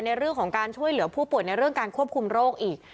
ในเรื่องของการช่วยเหลือผู้ป่วยในเรื่องการควบคุมโรคอีก